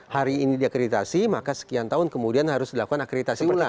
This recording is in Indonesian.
hari ini diakreditasi maka sekian tahun kemudian harus dilakukan akreditasi ulang